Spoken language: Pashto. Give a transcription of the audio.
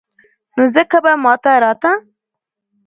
نو ځکه به ما ته راته.